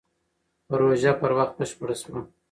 پروژه پر وخت بشپړه شوه.